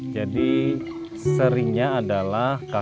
jadi seringnya adalah kasus